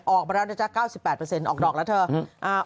ออกประมาณ๙๘ออกดอกแล้วเถอะ